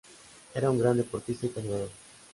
Era un gran deportista y cazador.